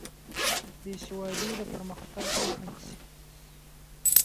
بې سوادي د پرمختګ مخه نیسي.